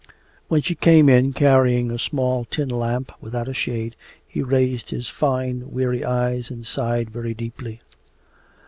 When she came in, carrying a small tin lamp without a shade, he raised his fine weary eyes and sighed very deeply.